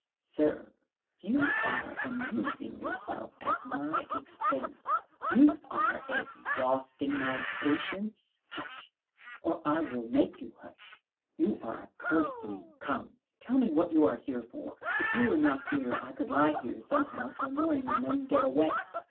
"Sir, you are amusing yourself at my expense. You are exhausting my patience." "Hush, or I will make you hush! You are a curse to me. Come, tell me what you are here for? If you were not here I could lie here somehow till morning, and then get away."